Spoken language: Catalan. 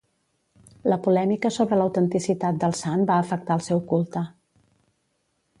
La polèmica sobre l'autenticitat del sant va afectar el seu culte.